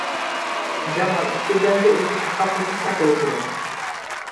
Jamal state ব্যাংকের একটি শাখা প্রতিষ্ঠা করেছিলেন।